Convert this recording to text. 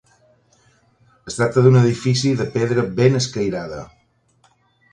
Es tracta d'un edifici de pedra ben escairada.